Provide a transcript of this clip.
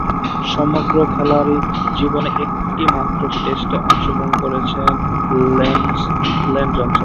সমগ্র খেলোয়াড়ী জীবনে একটিমাত্র টেস্টে অংশগ্রহণ করেছেন লেন জনসন।